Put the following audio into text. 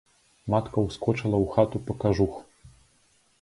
Матка ўскочыла ў хату па кажух.